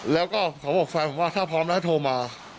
แล้วก็เขาบอกแฟนผมว่าถ้าพร้อมแล้วโทรมา